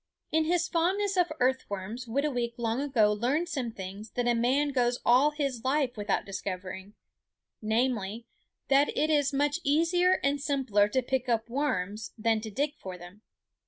In his fondness for earthworms Whitooweek long ago learned some things that a man goes all his life without discovering, namely, that it is much easier and simpler to pick up worms than to dig for them.